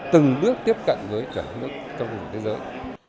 từng bước tiếp cận với các nước trong vực thế giới